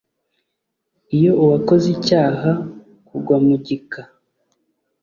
iyo uwakoze icyaha k ugwa mu gika